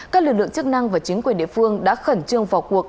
các lực lượng chức năng và chính quyền địa phương đã khẩn trương vào cuộc